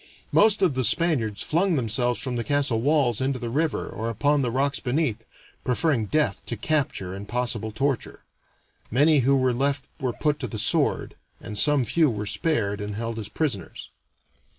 Most of the Spaniards flung themselves from the castle walls into the river or upon the rocks beneath, preferring death to capture and possible torture; many who were left were put to the sword, and some few were spared and held as prisoners.